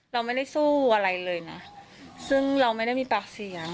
เราไม่ได้สู้อะไรเลยนะซึ่งเราไม่ได้มีปากเสียง